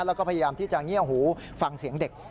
แล้วก็พยายามที่จะเงียบหูฟังเสียงเด็ก